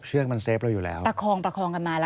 สวัสดีค่ะที่จอมฝันครับ